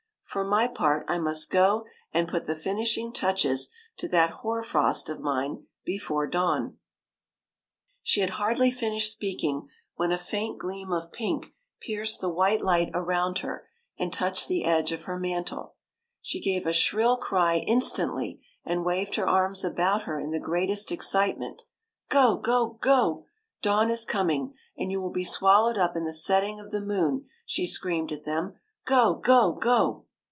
For my part, I must go and put the finishing touches to that hoar frost of mine before dawn." 1 86 THE KITE THAT She had hardly finished speaking when a faint gleam of pink pierced the white light around her and touched the edge of her mantle. She gave a shrill cry instantly, and waved her arms about her in the greatest excitement. " Go, go, go ! Dawn is coming, and you will be swallowed up in the setting of the moon," she screamed at them. " Go, go, go